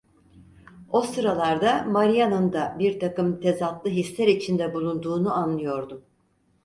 O sıralarda Maria'nın da birtakım tezatlı hisler içinde bulunduğunu anlıyordum.